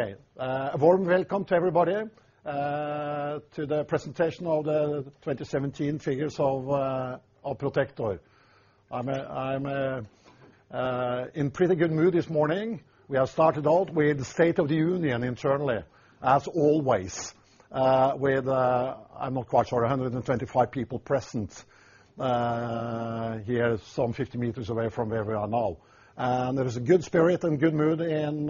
Okay. A warm welcome to everybody to the presentation of the 2017 figures of Protector. I'm in pretty good mood this morning. We have started out with State of the Union internally, as always, with, I'm not quite sure, 125 people present here some 50 meters away from where we are now. There is a good spirit and good mood in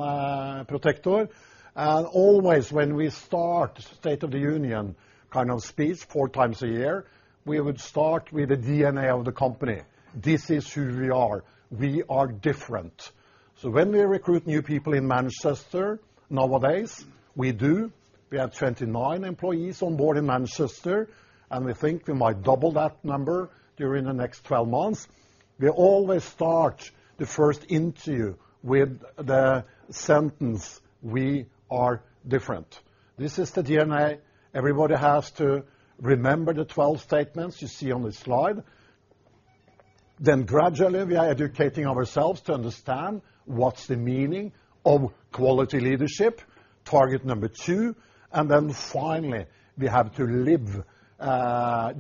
Protector. Always when we start State of the Union kind of speech four times a year, we would start with the DNA of the company. This is who we are. We are different. When we recruit new people in Manchester nowadays, we do. We have 29 employees on board in Manchester, and we think we might double that number during the next 12 months. We always start the first interview with the sentence, "We are different." This is the DNA. Everybody has to remember the 12 statements you see on the slide. Gradually, we are educating ourselves to understand what's the meaning of quality leadership, target number 2, and then finally, we have to live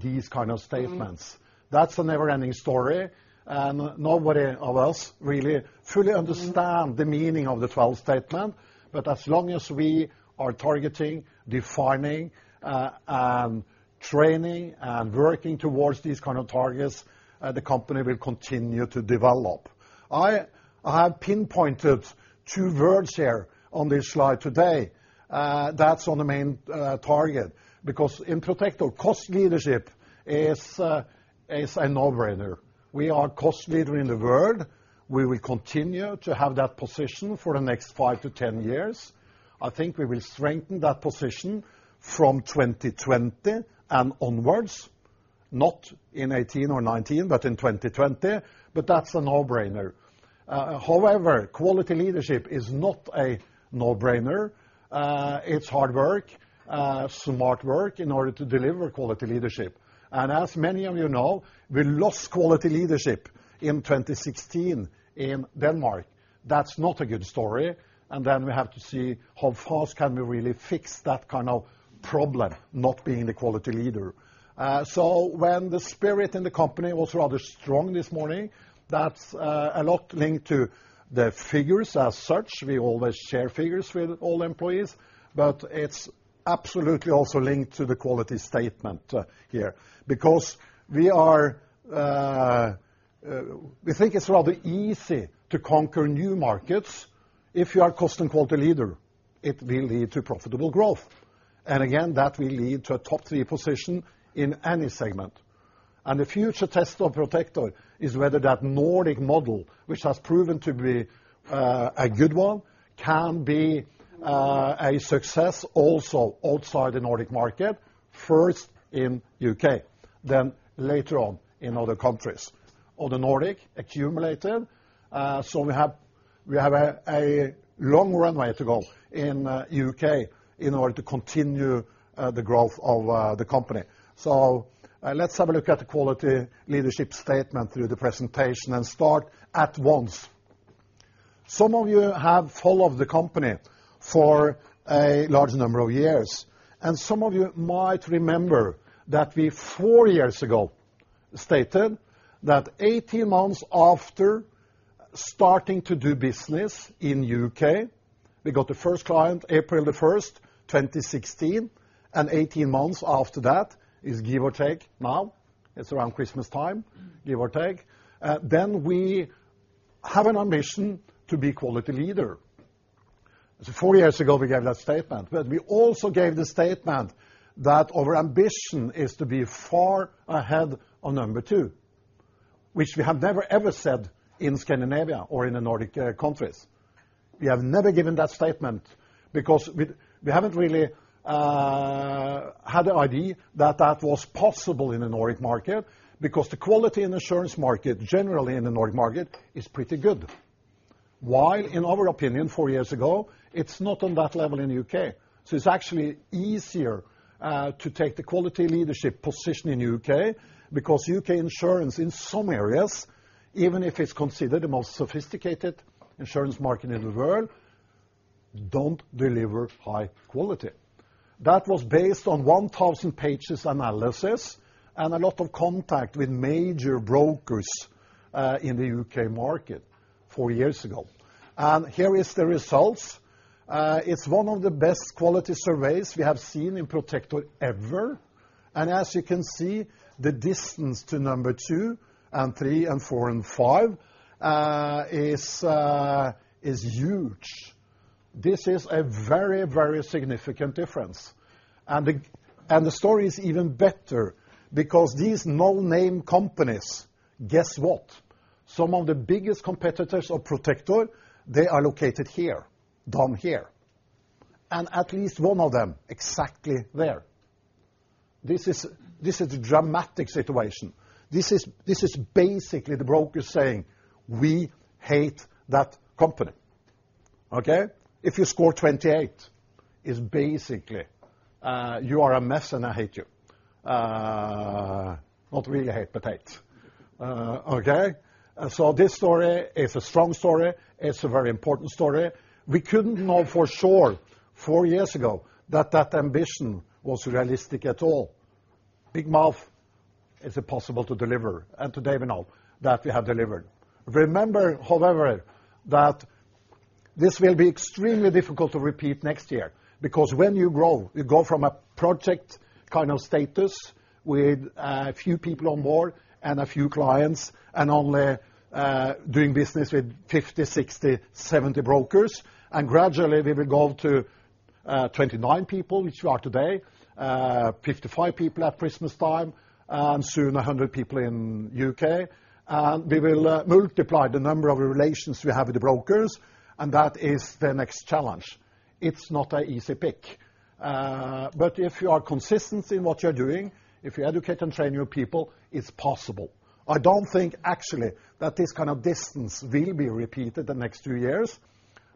these kind of statements. That's a never-ending story. Nobody of us really fully understand- the meaning of the 12 statement. As long as we are targeting, defining, and training, and working towards these kind of targets, the company will continue to develop. I have pinpointed two words here on this slide today. That's on the main target. In Protector, cost leadership is a no-brainer. We are cost leader in the world. We will continue to have that position for the next five to 10 years. I think we will strengthen that position from 2020 and onwards, not in 2018 or 2019, but in 2020, but that's a no-brainer. However, quality leadership is not a no-brainer. It's hard work, smart work in order to deliver quality leadership. As many of you know, we lost quality leadership in 2016 in Denmark. That's not a good story. Then we have to see how fast can we really fix that kind of problem, not being the quality leader. When the spirit in the company was rather strong this morning, that is a lot linked to the figures as such. We always share figures with all employees. It is absolutely also linked to the quality statement here. We think it is rather easy to conquer new markets if you are cost and quality leader. It will lead to profitable growth. Again, that will lead to a top three position in any segment. The future test of Protector is whether that Nordic model, which has proven to be a good one, can be. A success also outside the Nordic market. First in U.K., then later on in other countries. On the Nordic, accumulated, we have a long runway to go in U.K. in order to continue the growth of the company. Let us have a look at the quality leadership statement through the presentation and start at once. Some of you have followed the company for a large number of years, and some of you might remember that we, four years ago, stated that 18 months after starting to do business in U.K., we got the first client April 1st, 2016, and 18 months after that is give or take now, it is around Christmas time. Give or take. We have an ambition to be quality leader. Four years ago, we gave that statement, but we also gave the statement that our ambition is to be far ahead of number 2, which we have never, ever said in Scandinavia or in the Nordic countries. We have never given that statement because we have not really had an idea that that was possible in the Nordic market because the quality and assurance market generally in the Nordic market is pretty good. While in our opinion, four years ago, it is not on that level in U.K. It is actually easier to take the quality leadership position in U.K. because U.K. insurance in some areas, even if it is considered the most sophisticated insurance market in the world, do not deliver high quality. That was based on 1,000 pages analysis and a lot of contact with major brokers in the U.K. market four years ago. Here is the results. It is one of the best quality surveys we have seen in Protector ever. As you can see, the distance to number 2 and 3 and 4 and 5 is huge. This is a very, very significant difference. The story is even better because these no-name companies, guess what? Some of the biggest competitors of Protector, they are located here, down here, and at least one of them exactly there. This is a dramatic situation. This is basically the broker saying, "We hate that company." Okay? If you score 28, it is basically, you are a mess and I hate you. Not really hate, but hate. Okay? This story is a strong story. It is a very important story. We couldn't know for sure four years ago that that ambition was realistic at all. Big mouth, it's impossible to deliver. Today we know that we have delivered. Remember, however, that this will be extremely difficult to repeat next year, because when you grow, you go from a project kind of status with a few people on board and a few clients, only doing business with 50, 60, 70 brokers. Gradually, we will go to 29 people, which we are today, 55 people at Christmas time, and soon 100 people in U.K. We will multiply the number of relations we have with the brokers, and that is the next challenge. It's not an easy pick. If you are consistent in what you're doing, if you educate and train your people, it's possible. I don't think actually that this kind of distance will be repeated the next two years.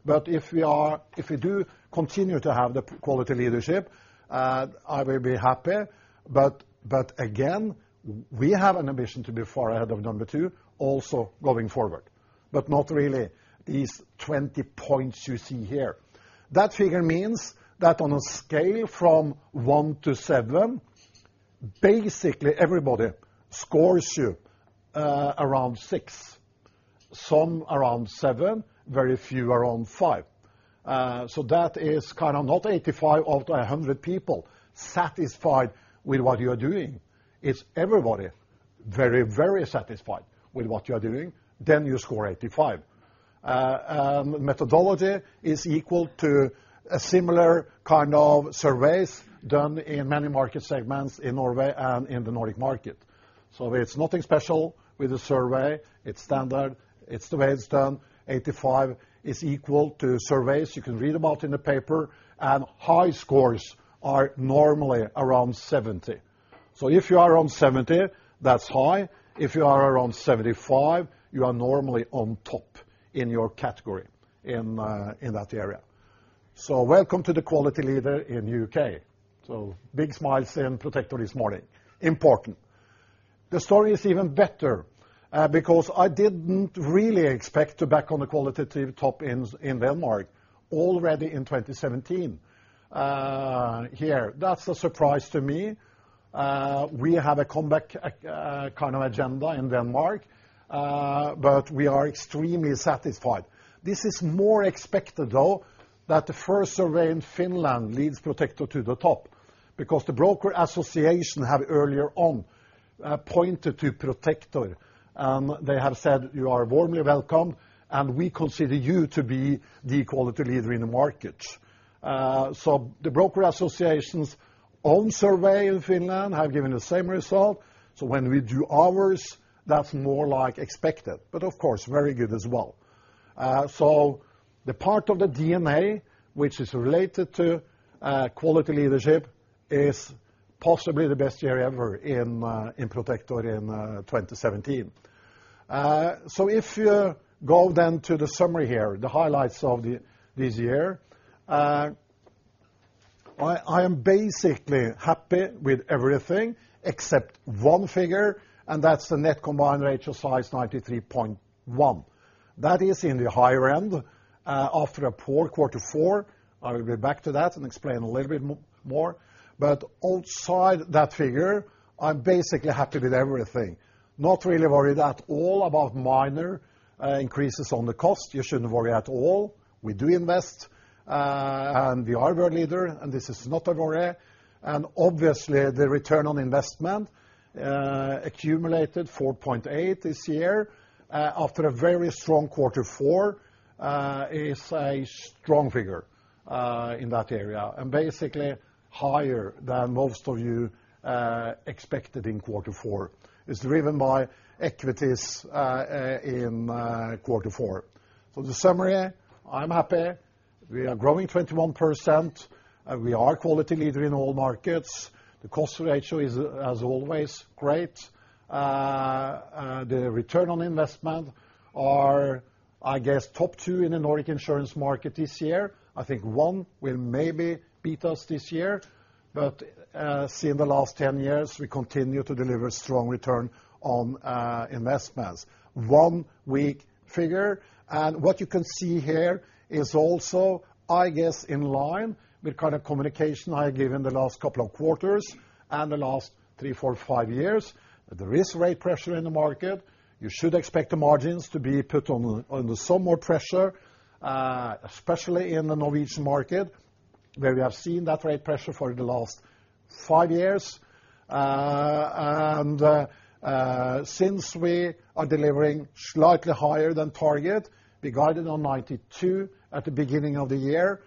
If we do continue to have the quality leadership, I will be happy. Again, we have an ambition to be far ahead of number two, also going forward. Not really these 20 points you see here. That figure means that on a scale from one to seven, basically everybody scores you around six. Some around seven, very few around five. That is not 85 out of 100 people satisfied with what you're doing. It's everybody very satisfied with what you're doing, then you score 85. Methodology is equal to similar kind of surveys done in many market segments in Norway and in the Nordic market. It's nothing special with the survey. It's standard. It's the way it's done. 85 is equal to surveys you can read about in the paper. High scores are normally around 70. If you are around 70, that's high. If you are around 75, you are normally on top in your category in that area. Welcome to the quality leader in U.K. Big smiles in Protector this morning. Important. The story is even better, because I didn't really expect to back on the quality top in Denmark already in 2017. Here, that's a surprise to me. We have a comeback agenda in Denmark. We are extremely satisfied. This is more expected, though, that the first survey in Finland leads Protector to the top, because the broker association have earlier on pointed to Protector. They have said, "You are warmly welcome. We consider you to be the quality leader in the market." The broker association's own survey in Finland have given the same result. When we do ours, that's more expected, but of course, very good as well. The part of the DNA which is related to quality leadership is possibly the best year ever in Protector in 2017. If you go then to the summary here, the highlights of this year. I am basically happy with everything except 1 figure. That's the net combined ratio size 93.1. That is in the higher end after a poor quarter four. I will be back to that and explain a little bit more. Outside that figure, I'm basically happy with everything. Not really worried at all about minor increases on the cost. You shouldn't worry at all. We do invest. We are a world leader, this is not a worry. Obviously, the return on investment accumulated 4.8% this year. After a very strong Q4, it is a strong figure in that area, and basically higher than most of you expected in Q4. It is driven by equities in Q4. The summary, I am happy. We are growing 21%. We are quality leader in all markets. The cost ratio is, as always, great. The return on investment is, I guess, top two in the Nordic insurance market this year. I think one will maybe beat us this year. See in the last 10 years, we continue to deliver strong return on investment. One weak figure. What you can see here is also, I guess, in line with communication I gave in the last couple of quarters and the last three, four, five years. There is rate pressure in the market. You should expect the margins to be put under some more pressure, especially in the Norwegian market, where we have seen that rate pressure for the last five years. Since we are delivering slightly higher than target, we guided on 92 at the beginning of the year.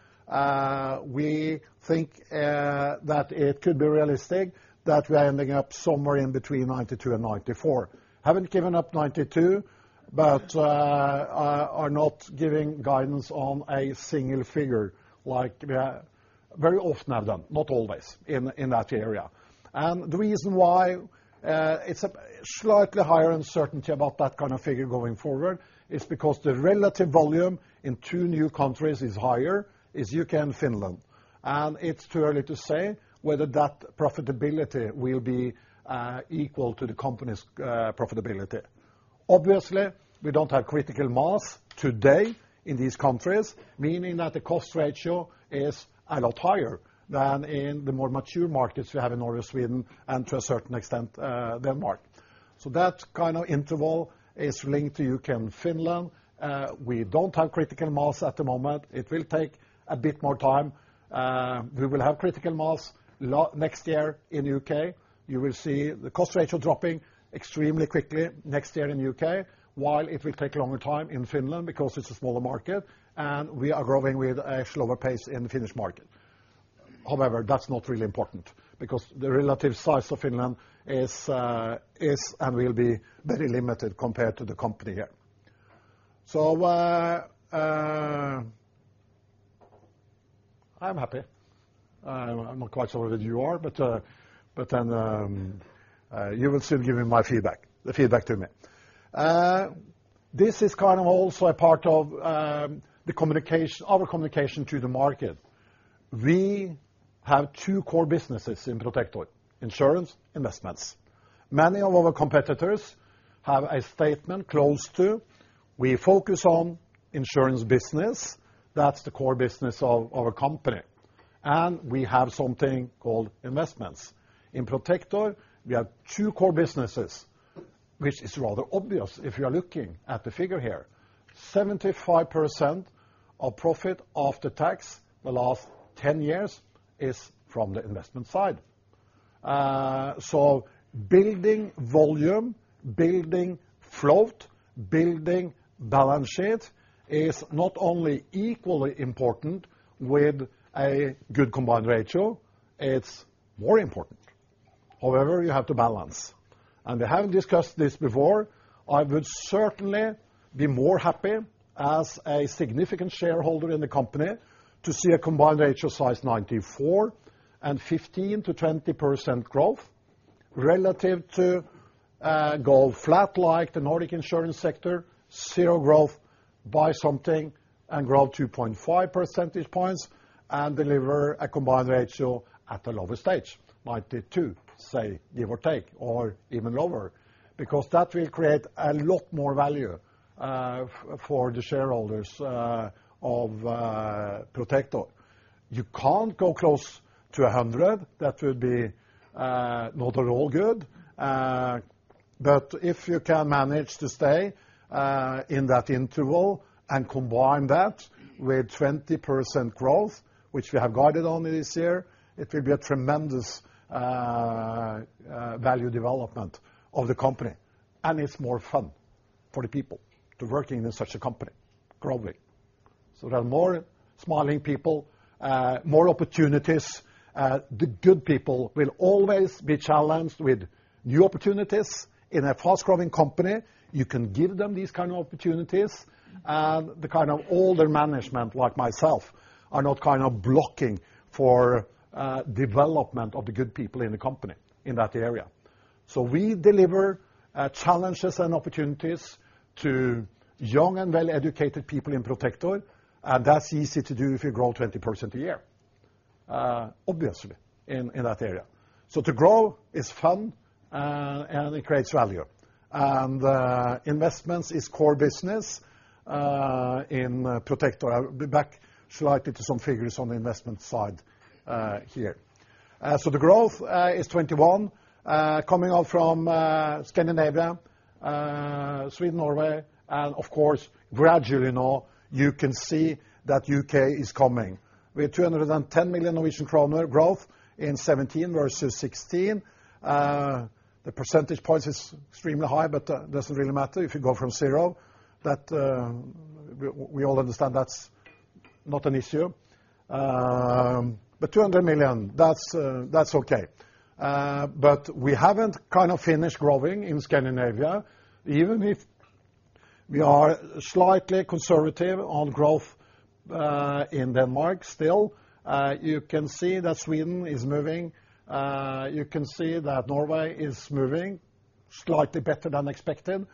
We think that it could be realistic that we are ending up somewhere in between 92 and 94. Have not given up 92, but are not giving guidance on a single figure like we have very often done, not always, in that area. The reason why it is a slightly higher uncertainty about that kind of figure going forward is because the relative volume in two new countries is higher, is U.K. and Finland. It is too early to say whether that profitability will be equal to the company's profitability. Obviously, we do not have critical mass today in these countries, meaning that the cost ratio is a lot higher than in the more mature markets we have in Norway, Sweden, and to a certain extent, Denmark. That kind of interval is linked to U.K. and Finland. We do not have critical mass at the moment. It will take a bit more time. We will have critical mass next year in U.K. You will see the cost ratio dropping extremely quickly next year in U.K. While it will take a longer time in Finland because it is a smaller market and we are growing with a slower pace in the Finnish market. However, that is not really important because the relative size of Finland is, and will be very limited compared to the company here. I am happy. I am not quite sure whether you are, but then you will still give my feedback, the feedback to me. This is kind of also a part of our communication to the market. We have two core businesses in Protector: insurance, investments. Many of our competitors have a statement close to, we focus on insurance business. That is the core business of our company. We have something called investments. In Protector, we have two core businesses, which is rather obvious if you are looking at the figure here. 75% of profit after tax the last 10 years is from the investment side. Building volume, building float, building balance sheet is not only equally important with a good combined ratio, it's more important. However, you have to balance. We haven't discussed this before. I would certainly be more happy as a significant shareholder in the company to see a combined ratio size 94 and 15%-20% growth relative to go flat like the Nordic insurance sector, zero growth, buy something and grow 2.5 percentage points and deliver a combined ratio at a lower stage 92, say, give or take, or even lower, because that will create a lot more value for the shareholders of Protector. You can't go close to 100. That would be not at all good. If you can manage to stay in that interval and combine that with 20% growth, which we have guided on this year, it will be a tremendous value development of the company. It's more fun for the people to working in such a company, growing. There are more smiling people, more opportunities. The good people will always be challenged with new opportunities. In a fast growing company, you can give them these kind of opportunities. The kind of older management like myself are not blocking for development of the good people in the company in that area. We deliver challenges and opportunities to young and well-educated people in Protector. That's easy to do if you grow 20% a year, obviously, in that area. To grow is fun, and it creates value. Investments is core business in Protector. I'll be back slightly to some figures on the investment side here. The growth is 21 coming out from Scandinavia, Sweden, Norway, and of course, gradually now you can see that U.K. is coming. We are 210 million Norwegian kroner growth in 2017 versus 2016. The percentage points is extremely high, but doesn't really matter if you go from zero. We all understand that's not an issue. NOK 200 million, that's okay. We haven't finished growing in Scandinavia. Even if we are slightly conservative on growth in Denmark still, you can see that Sweden is moving. You can see that Norway is moving slightly better than expected.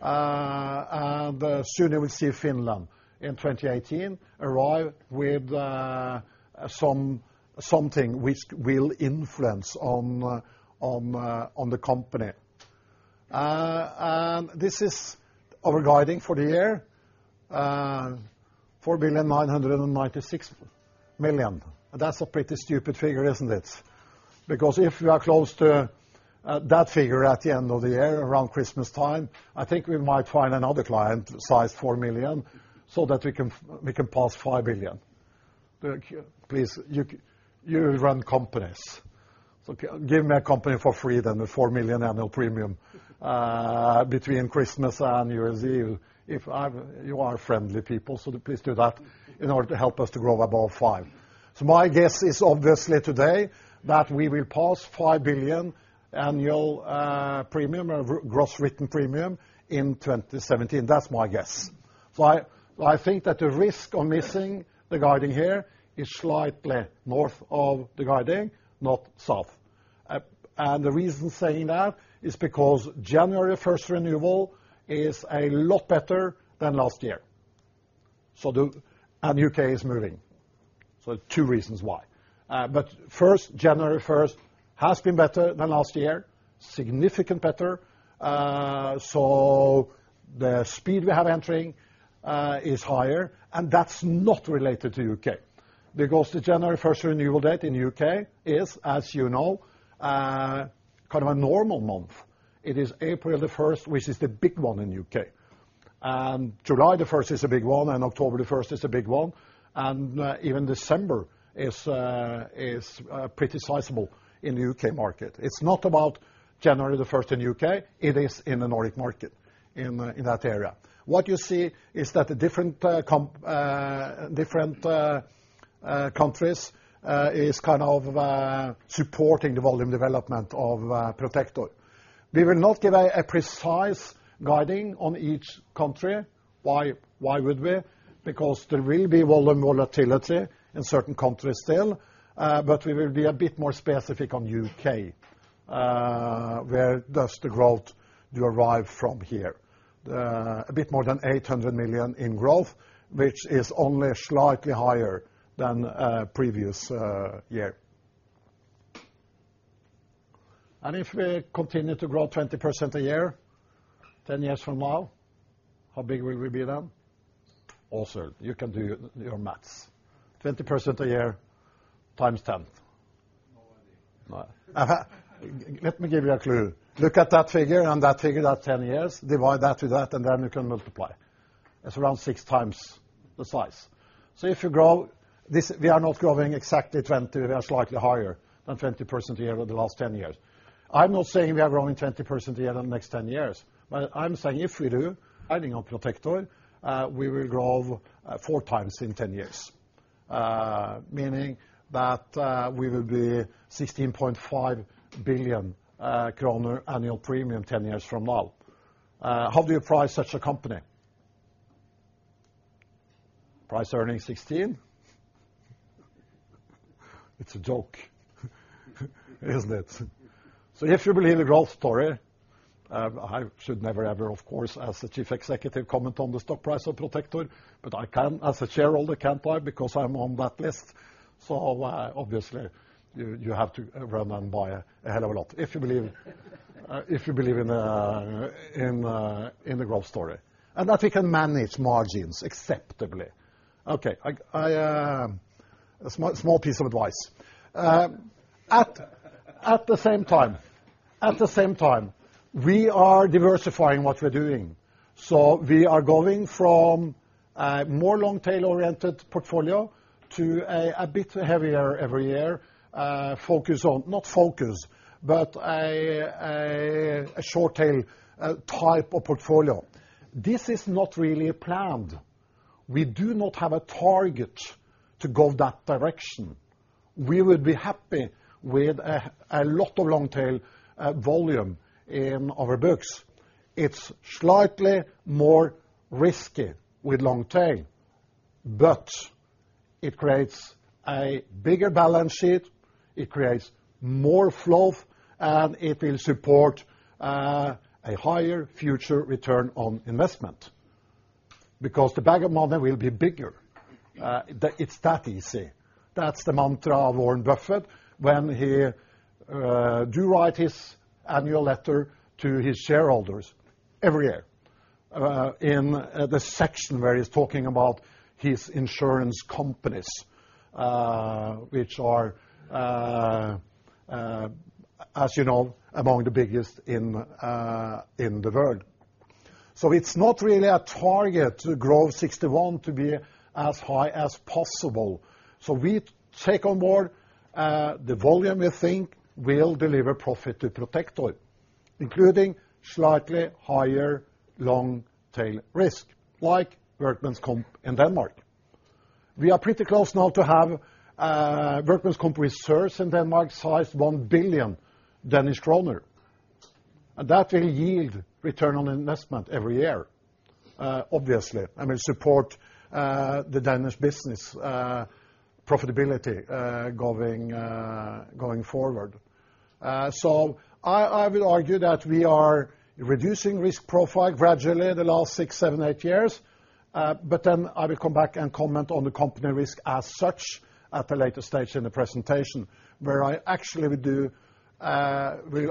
Sooner, we see Finland in 2018 arrive with something which will influence on the company. This is our guiding for the year. 4,996,000,000. That's a pretty stupid figure, isn't it? If you are close to that figure at the end of the year around Christmas time, I think we might find another client size 4 million so that we can pass 5 billion. Please, you run companies. Give me a company for free then, a 4 million annual premium between Christmas and New Year's Eve. You are friendly people, please do that in order to help us to grow above five. My guess is obviously today that we will pass 5 billion annual premium or gross written premium in 2017. That's my guess. I think that the risk of missing the guiding here is slightly north of the guiding, not south. The reason saying that is because January 1st renewal is a lot better than last year, and U.K. is moving. Two reasons why. First, January 1st has been significantly better than last year. The speed we have entering is higher, and that's not related to U.K. because the January 1st renewal date in U.K. is, as you know, kind of a normal month. It is April 1st, which is the big one in U.K. July 1st is a big one, and October 1st is a big one. Even December is pretty sizable in the U.K. market. It's not about January 1st in U.K., it is in the Nordic market, in that area. What you see is that the different countries is kind of supporting the volume development of Protector. We will not give a precise guiding on each country. Why would we? Because there will be volume volatility in certain countries still. We will be a bit more specific on U.K., where does the growth derive from here. A bit more than 800 million in growth, which is only slightly higher than previous year. If we continue to grow 20% a year, 10 years from now, how big will we be then? Also, you can do your maths, 20% a year times 10. No idea. No. Let me give you a clue. Look at that figure and that figure, that's 10 years. Divide that with that, and then you can multiply. It's around 6 times the size. We are not growing exactly 20. We are slightly higher than 20% a year over the last 10 years. I'm not saying we are growing 20% a year in the next 10 years. I'm saying if we do, adding up Protector, we will grow 4 times in 10 years. Meaning that we will be 16.5 billion kroner annual premium 10 years from now. How do you price such a company? Price-earnings 16? It's a joke, isn't it? If you believe the growth story, I should never ever, of course, as the Chief Executive, comment on the stock price of Protector, but I can as a shareholder, can't I? Because I'm on that list. Obviously, you have to run and buy a hell of a lot. If you believe in the growth story, and that we can manage margins acceptably. Okay. A small piece of advice. At the same time, we are diversifying what we're doing. We are going from a more long tail oriented portfolio to a bit heavier every year. Not focus, but a short tail type of portfolio. This is not really planned. We do not have a target to go that direction. We would be happy with a lot of long tail volume in our books. It's slightly more risky with long tail, but it creates a bigger balance sheet. It creates more float, and it will support a higher future return on investment because the bag of money will be bigger. It's that easy. That's the mantra of Warren Buffett when he do write his annual letter to his shareholders every year. In the section where he's talking about his insurance companies, which are, as you know, among the biggest in the world. It's not really a target to grow 61 to be as high as possible. We take on board the volume we think will deliver profit to Protector, including slightly higher long tail risk, like workers' comp in Denmark. We are pretty close now to have workers' comp reserves in Denmark sized 1 billion Danish kroner. That will yield return on investment every year, obviously, and will support the Danish business profitability going forward. I will argue that we are reducing risk profile gradually the last six, seven, eight years. I will come back and comment on the company risk as such at a later stage in the presentation, where I actually will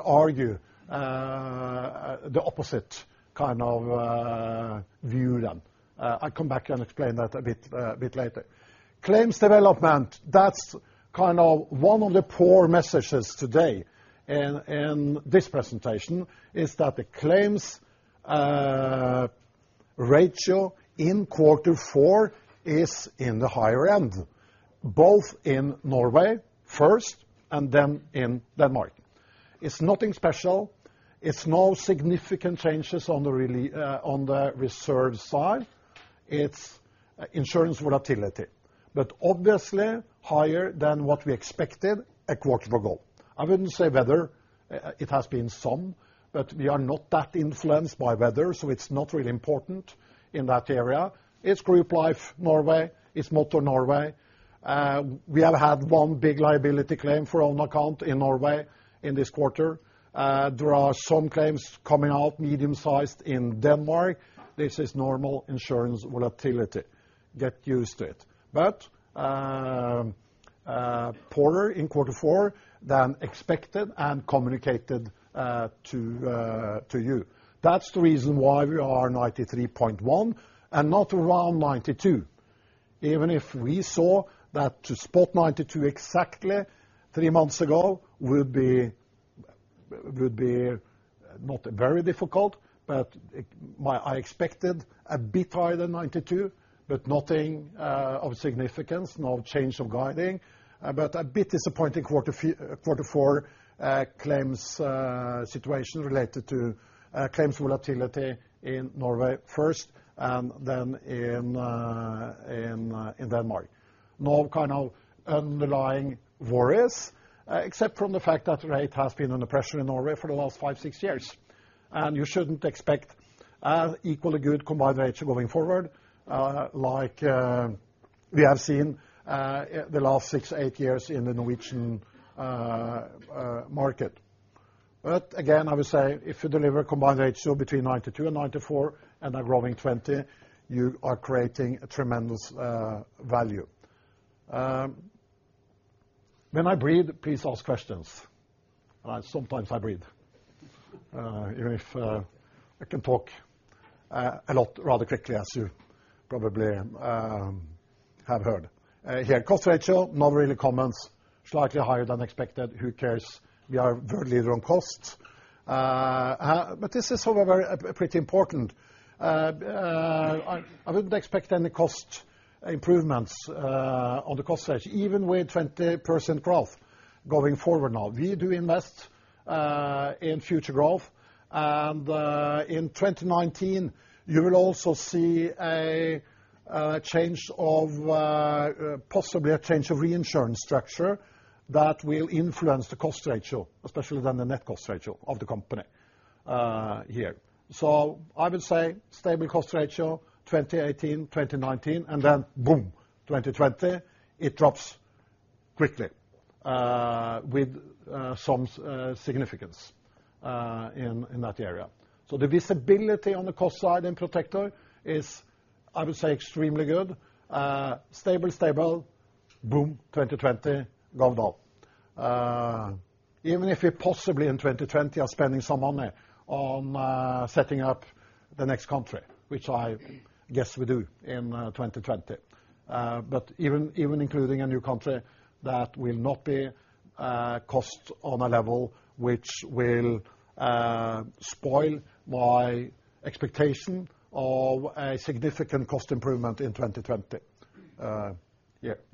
argue the opposite kind of view then. I come back and explain that a bit later. Claims development, that's kind of one of the poor messages today in this presentation, is that the claims ratio in quarter four is in the higher end, both in Norway first and then in Denmark. It's nothing special. It's no significant changes on the reserve side. It's insurance volatility, obviously higher than what we expected a quarter ago. I wouldn't say weather. It has been some, but we are not that influenced by weather, so it's not really important in that area. It's Group Life Norway, it's Motor Norway. We have had one big liability claim for own account in Norway in this quarter. There are some claims coming out medium-sized in Denmark. This is normal insurance volatility. Get used to it. Poorer in quarter four than expected and communicated to you. That's the reason why we are 93.1% and not around 92%. Even if we saw that to spot 92% exactly three months ago would be not very difficult, but I expected a bit higher than 92%, but nothing of significance, no change of guiding. A bit disappointing quarter four claims situation related to claims volatility in Norway first, then in Denmark. No kind of underlying worries except from the fact that rate has been under pressure in Norway for the last five, six years. You shouldn't expect equally good combined ratio going forward like we have seen the last six, eight years in the Norwegian market. Again, I would say if you deliver combined ratio between 92% and 94% and are growing 20%, you are creating a tremendous value. When I breathe, please ask questions. Sometimes I breathe. Even if I can talk a lot rather quickly, as you probably have heard here. Cost ratio, not really comments. Slightly higher than expected. Who cares? We are world leader on cost. This is sort of pretty important. I wouldn't expect any cost improvements on the cost side, even with 20% growth going forward now. We do invest in future growth. In 2019, you will also see possibly a change of reinsurance structure that will influence the cost ratio, especially than the net cost ratio of the company here. I would say stable cost ratio 2018, 2019, then boom, 2020, it drops quickly with some significance in that area. The visibility on the cost side in Protector is, I would say, extremely good. Stable, stable. Boom, 2020, gone down. Even if we possibly in 2020 are spending some money on setting up the next country, which I guess we do in 2020. Even including a new country, that will not be cost on a level which will spoil my expectation of a significant cost improvement in 2020. Yep?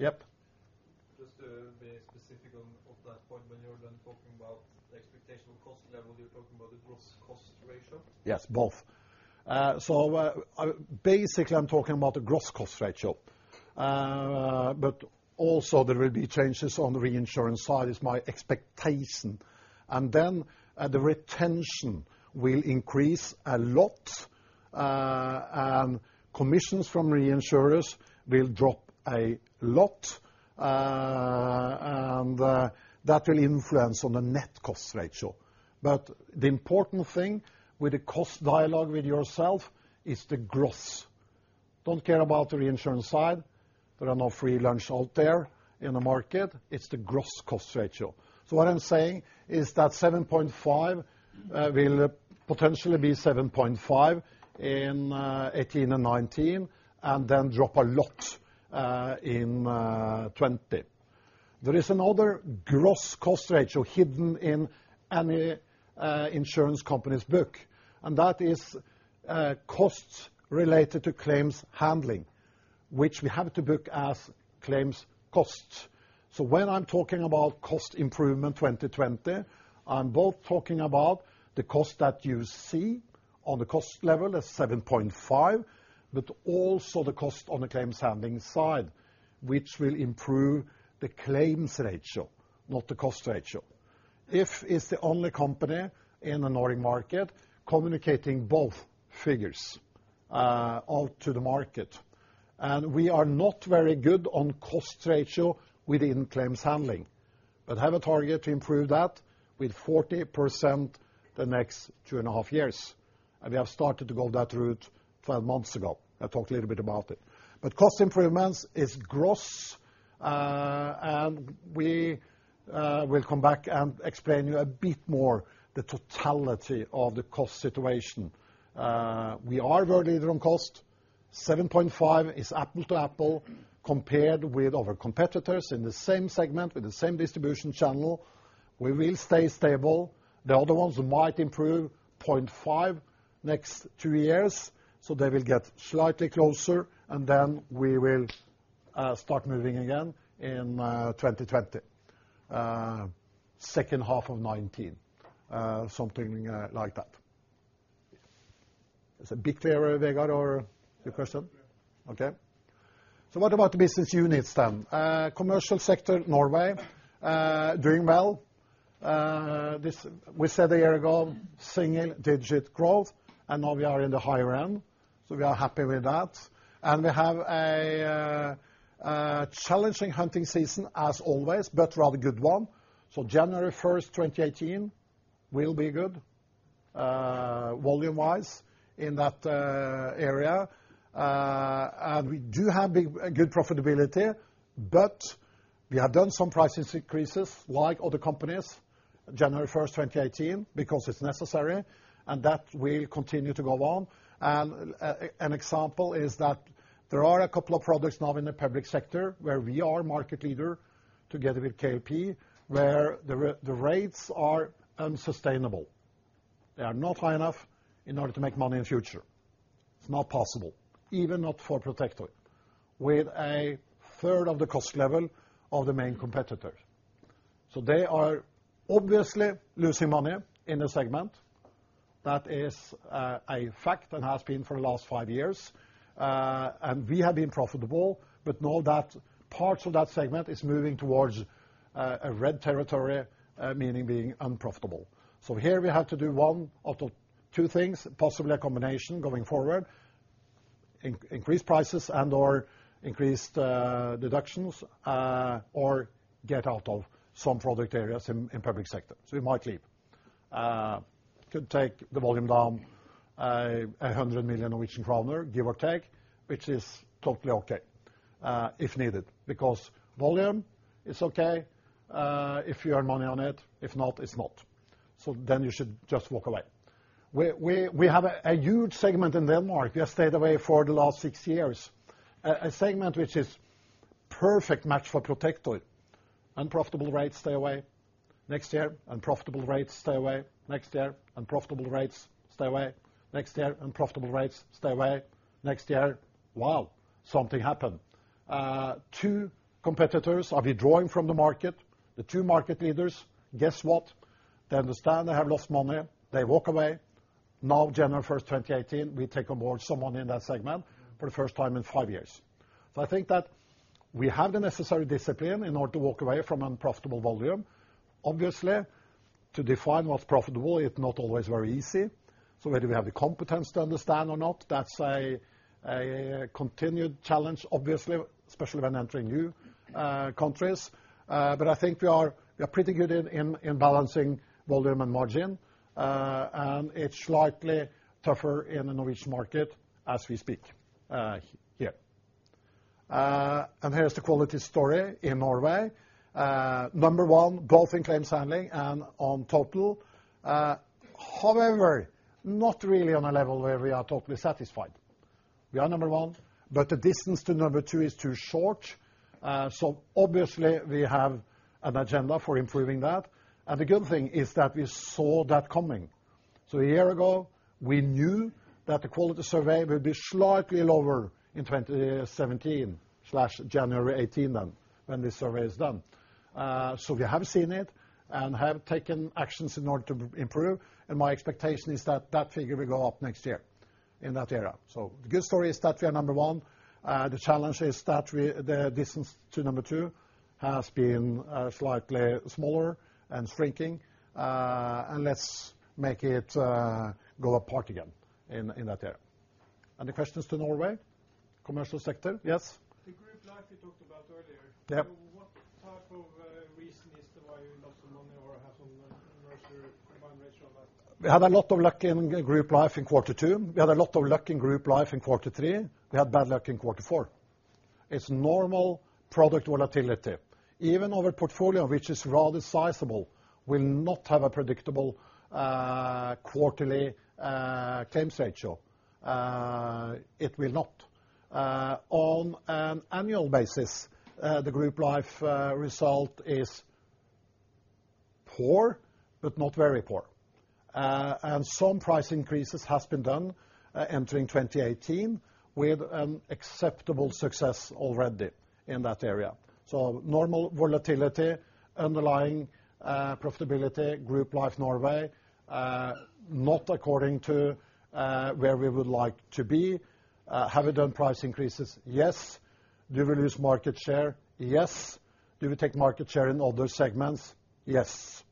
Just to be specific on that point. When you were then talking about the expectation of cost level, you're talking about the gross cost ratio? Yes, both. Basically, I'm talking about the gross cost ratio. Also, there will be changes on the reinsurance side is my expectation. Then the retention will increase a lot, and commissions from reinsurers will drop a lot, and that will influence on the net cost ratio. The important thing with the cost dialog with yourself is the gross. Don't care about the reinsurance side. There are no free lunch out there in the market. It's the gross cost ratio. What I'm saying is that 7.5 will potentially be 7.5 in 2018 and 2019, and then drop a lot in 2020. There is another gross cost ratio hidden in any insurance company's book, and that is costs related to claims handling, which we have to book as claims costs. When I'm talking about cost improvement 2020, I'm both talking about the cost that you see on the cost level as 7.5, but also the cost on the claims handling side, which will improve the claims ratio, not the cost ratio. If it's the only company in the Nordic market communicating both figures out to the market, and we are not very good on cost ratio within claims handling. Have a target to improve that with 40% the next two and a half years. We have started to go that route 12 months ago. I talked a little bit about it. Cost improvements is gross. We will come back and explain you a bit more the totality of the cost situation. We are world leader on cost. 7.5 is apple-to-apple compared with our competitors in the same segment with the same distribution channel. We will stay stable. The other ones might improve 0.5 next two years, so they will get slightly closer, and then we will start moving again in 2020. Second half of 2019, something like that. Is it clear, Vegard, or your question? Big clear. Okay. What about the business units then? Commercial sector, Norway, doing well. We said a year ago, single-digit growth, now we are in the high realm, we are happy with that. We have a challenging hunting season as always, but rather good one. January 1, 2018 will be good volume wise in that area. We do have good profitability, but we have done some prices increases like other companies January 1, 2018 because it's necessary, that will continue to go on. An example is that there are a couple of products now in the public sector where we are market leader together with KLP, where the rates are unsustainable. They are not high enough in order to make money in future. It's not possible, even not for Protector. With a third of the cost level of the main competitor. They are obviously losing money in the segment. That is a fact and has been for the last five years. We have been profitable, but know that parts of that segment is moving towards a red territory, meaning being unprofitable. Here we have to do one of the two things, possibly a combination going forward. Increase prices and/or increase deductions, or get out of some product areas in public sector. We might leave. Could take the volume down, 100 million Norwegian kroner, give or take, which is totally okay, if needed, because volume is okay, if you earn money on it. If not, it's not. You should just walk away. We have a huge segment in Denmark. We have stayed away for the last six years. A segment which is perfect match for Protector. Unprofitable rates, stay away. Next year, unprofitable rates, stay away. Next year, unprofitable rates, stay away. Next year, unprofitable rates, stay away. Next year, wow, something happened. Two competitors are withdrawing from the market. The two market leaders, guess what? They understand they have lost money. They walk away. Now January 1, 2018, we take on board someone in that segment for the first time in five years. I think that we have the necessary discipline in order to walk away from unprofitable volume. Obviously, to define what's profitable is not always very easy. Whether we have the competence to understand or not, that's a continued challenge, obviously, especially when entering new countries. I think we are pretty good in balancing volume and margin. It's slightly tougher in the Norwegian market as we speak here. Here's the quality story in Norway. Number one, both in claims handling and on total. However, not really on a level where we are totally satisfied. We are number 1, but the distance to number 2 is too short. Obviously we have an agenda for improving that. The good thing is that we saw that coming. A year ago, we knew that the quality survey will be slightly lower in 2017/January 2018 then, when the survey is done. We have seen it and have taken actions in order to improve, and my expectation is that that figure will go up next year in that area. The good story is that we are number 1. The challenge is that the distance to number 2 has been slightly smaller and shrinking. Let's make it go apart again in that area. Any questions to Norway? Commercial sector? Yes. The Group Life you talked about earlier. Yep. What type of reason is why you lost the money or have some ratio combined ratio of that? We had a lot of luck in Group Life in quarter two. We had a lot of luck in Group Life in quarter three. We had bad luck in quarter four. It's normal product volatility. Even our portfolio, which is rather sizable, will not have a predictable quarterly claims ratio. It will not. On an annual basis, the Group Life result is poor, but not very poor. Some price increases has been done entering 2018 with an acceptable success already in that area. Normal volatility, underlying profitability, Group Life Norway, not according to where we would like to be. Have we done price increases? Yes. Do we lose market share? Yes. Do we take market share in other segments? Yes,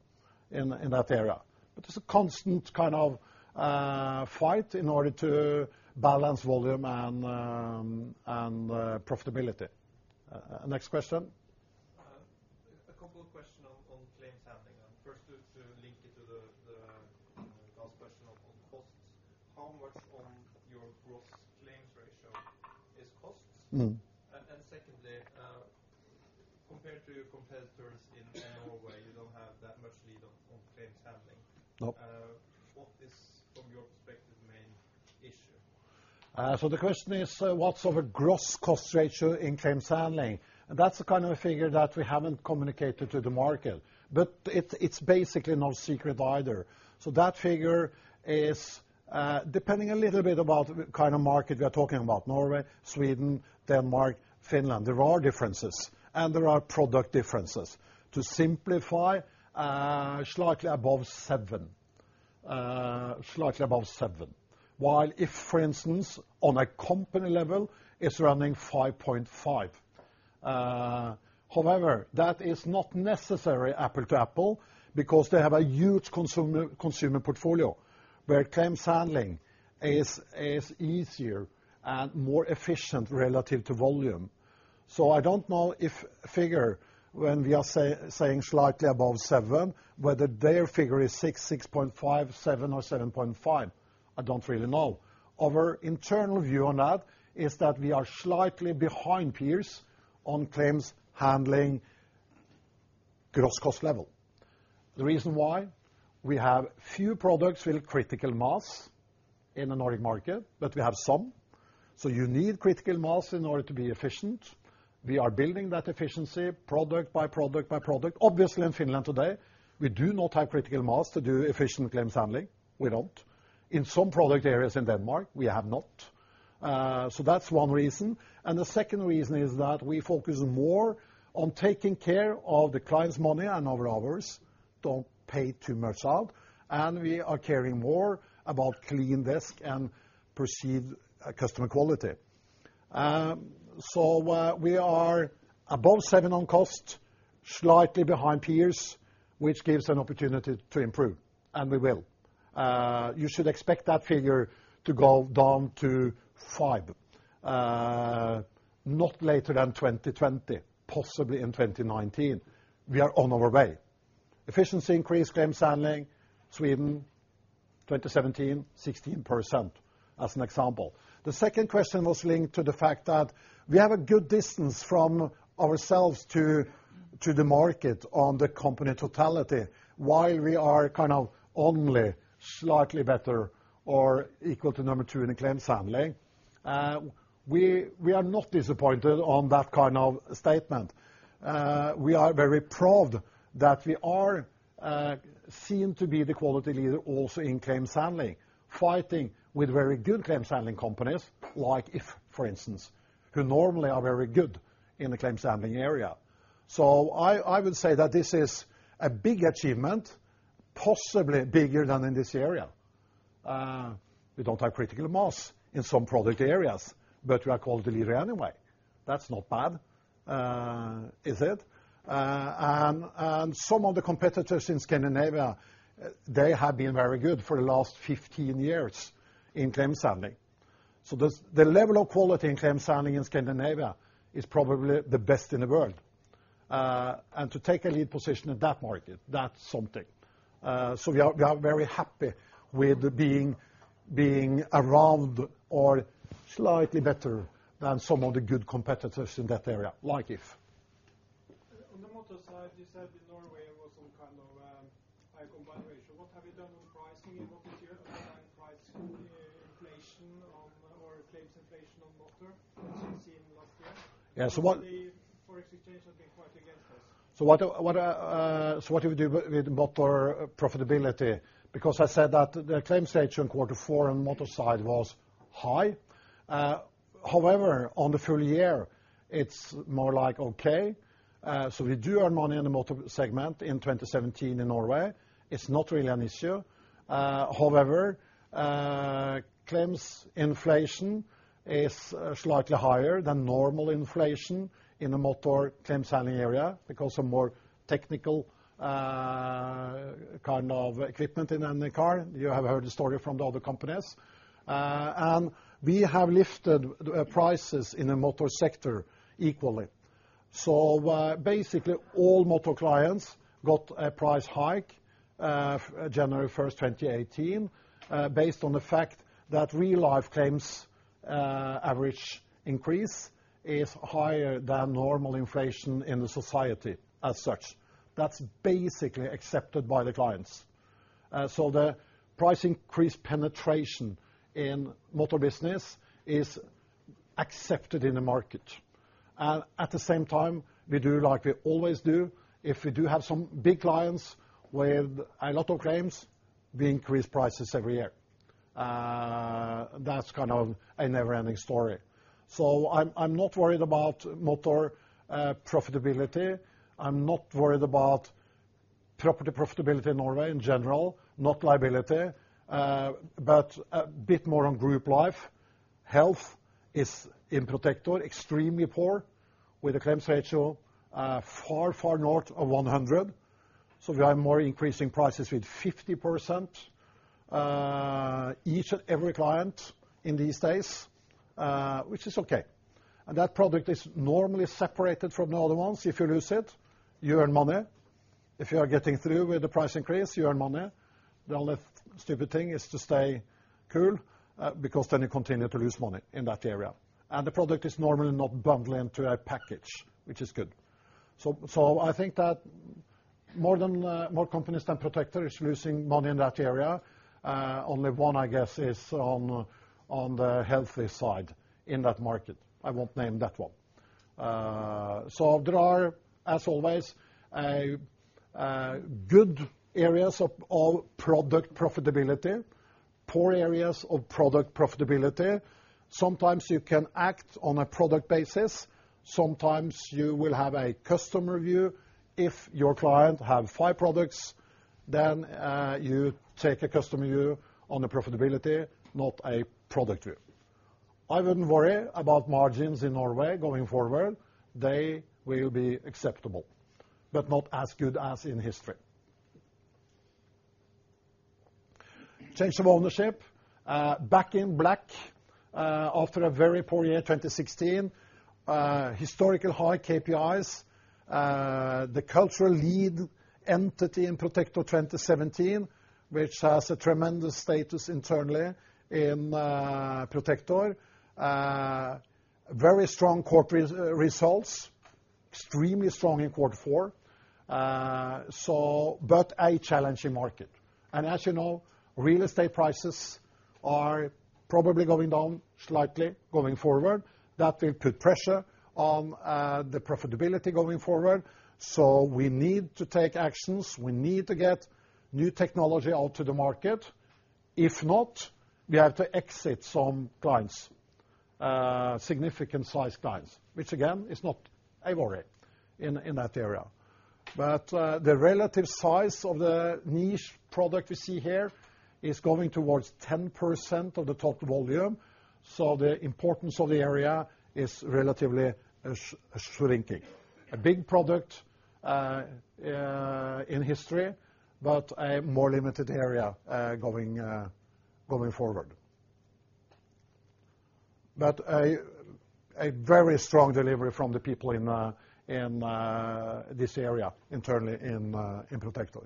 in that area. There's a constant kind of fight in order to balance volume and profitability. Next question. A couple of question on claims handling. First, to link it to the last question on costs. How much of your gross claims ratio is costs? Secondly, compared to your competitors in Norway, you don't have that much lead on claims handling. No. What is, from your perspective, the main issue? The question is, what's our gross cost ratio in claims handling? That's the kind of figure that we haven't communicated to the market. It's basically not secret either. That figure is, depending a little bit about the kind of market we are talking about, Norway, Sweden, Denmark, Finland. There are differences and there are product differences. To simplify, slightly above 7. Slightly above 7. While If, for instance, on a company level, is running 5.5. However, that is not necessary apple-to-apple because they have a huge consumer portfolio where claims handling is easier and more efficient relative to volume. I don't know if figure, when we are saying slightly above 7, whether their figure is 6.5, 7, or 7.5. I don't really know. Our internal view on that is that we are slightly behind peers on claims handling gross cost level. The reason why? We have few products with critical mass in the Nordic market, but we have some. You need critical mass in order to be efficient. We are building that efficiency product by product by product. Obviously, in Finland today, we do not have critical mass to do efficient claims handling. We don't. In some product areas in Denmark, we have not. That's one reason. The second reason is that we focus more on taking care of the client's money and our hours. Don't pay too much out. We are caring more about clean desk and perceived customer quality. We are above 7 on cost, slightly behind peers, which gives an opportunity to improve, and we will. You should expect that figure to go down to 5, not later than 2020, possibly in 2019. We are on our way. Efficiency increase claims handling Sweden 2017, 16%, as an example. The second question was linked to the fact that we have a good distance from ourselves to the market on the company totality. While we are only slightly better or equal to number 2 in claims handling, we are not disappointed on that kind of statement. We are very proud that we are seen to be the quality leader also in claims handling, fighting with very good claims handling companies like If, for instance, who normally are very good in the claims handling area. I would say that this is a big achievement, possibly bigger than in this area. We don't have critical mass in some product areas, but we are called the leader anyway. That's not bad, is it? Some of the competitors in Scandinavia, they have been very good for the last 15 years in claims handling. The level of quality in claims handling in Scandinavia is probably the best in the world. To take a lead position in that market, that's something. We are very happy with being around or slightly better than some of the good competitors in that area, like If. On the Motor side, you said in Norway it was some kind of high combined ratio. What have you done on pricing in what this year and pricing inflation or claims inflation on Motor since in last year? Yeah. The forex exchange has been quite against us. What do we do with Motor profitability? I said that the claims ratio in quarter four on Motor side was high. However, on the full year, it's more okay. We do earn money in the Motor segment in 2017 in Norway. It's not really an issue. However, claims inflation is slightly higher than normal inflation in the Motor claims handling area because of more technical kind of equipment in the car. You have heard the story from the other companies. We have lifted prices in the Motor sector equally. Basically, all Motor clients got a price hike January 1st, 2018, based on the fact that real life claims average increase is higher than normal inflation in the society as such. That's basically accepted by the clients. The price increase penetration in Motor business is accepted in the market. At the same time, we do like we always do. If we do have some big clients with a lot of claims, we increase prices every year. That's kind of a never-ending story. I'm not worried about Motor profitability. I'm not worried about property profitability in Norway in general, not liability. But a bit more on Group Life. Health is in Protector extremely poor, with a claims ratio far north of 100. We are more increasing prices with 50% each and every client in these days, which is okay. That product is normally separated from the other ones. If you lose it, you earn money. If you are getting through with the price increase, you earn money. The only stupid thing is to stay cool, because then you continue to lose money in that area. The product is normally not bundled into a package, which is good. I think that more companies than Protector is losing money in that area. Only one, I guess, is on the healthy side in that market. I won't name that one. There are, as always, good areas of all product profitability. Poor areas of product profitability. Sometimes you can act on a product basis. Sometimes you will have a customer view. If your client have 5 products, then you take a customer view on the profitability, not a product view. I wouldn't worry about margins in Norway going forward. They will be acceptable, but not as good as in history. Change of ownership. Back in black, after a very poor year 2016. Historically high KPIs. The cultural lead entity in Protector 2017, which has a tremendous status internally in Protector. Very strong corporate results. Extremely strong in quarter four. A challenging market. As you know, real estate prices are probably going down slightly going forward. That will put pressure on the profitability going forward. We need to take actions. We need to get new technology out to the market. If not, we have to exit some clients, significant size clients. Which, again, is not a worry in that area. The relative size of the niche product you see here is going towards 10% of the total volume. The importance of the area is relatively shrinking. A big product in history, but a more limited area going forward. A very strong delivery from the people in this area internally in Protector.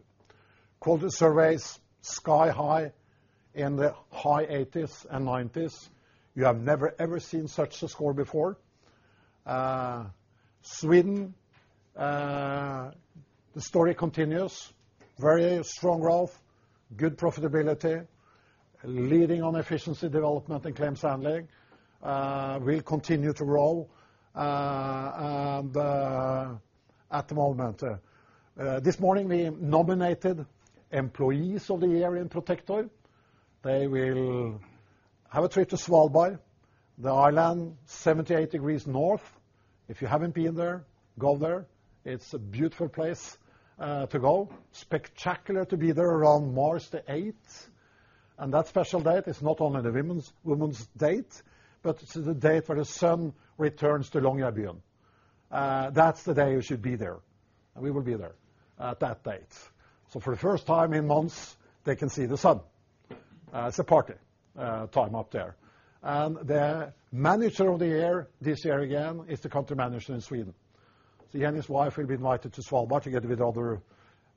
Quality surveys sky high in the high 80s and 90s. We have never, ever seen such a score before. Sweden, the story continues. Very strong growth. Good profitability. Leading on efficiency development and claims handling. We continue to roll at the moment. This morning, we nominated employees of the year in Protector. They will have a trip to Svalbard, the island 78 degrees north. If you haven't been there, go there. It's a beautiful place to go. Spectacular to be there around March the 8th. That special date is not only the women's date, but this is the date when the sun returns to Longyearbyen. That's the day you should be there, and we will be there at that date. For the first time in months, they can see the sun. It's a party time up there. The manager of the year this year again is the country manager in Sweden. He and his wife will be invited to Svalbard together